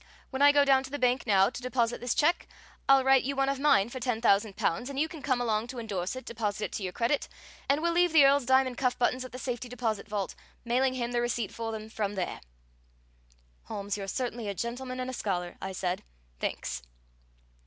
When I go down to the bank now to deposit this check, I'll write you one of mine for ten thousand pounds, and you can come along to endorse it, deposit it to your credit, and we'll leave the Earl's diamond cuff buttons at the safety deposit vault, mailing him the receipt for them from there." "Holmes, you're certainly a gentleman and a scholar," I said. "Thanks."